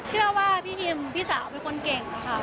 เชื่อว่าพี่พิมพี่สาวเป็นคนเก่งค่ะ